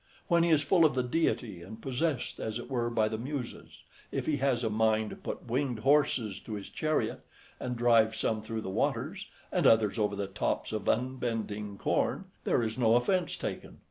When he is full of the Deity, and possessed, as it were, by the Muses, if he has a mind to put winged horses {25a} to his chariot, and drive some through the waters, and others over the tops of unbending corn, there is no offence taken.